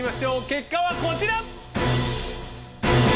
結果はこちら！